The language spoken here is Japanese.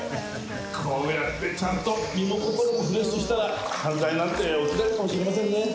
こうやってちゃんと身も心もリフレッシュしたら犯罪なんて起きないのかもしれませんね。